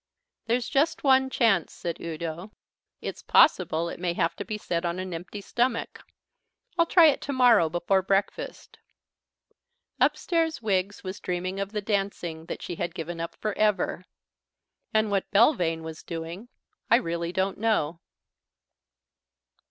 "There's just one chance," said Udo. "It's possible it may have to be said on an empty stomach. I'll try it to morrow before breakfast." Upstairs Wiggs was dreaming of the dancing that she had given up for ever. And what Belvane was doing I really don't know.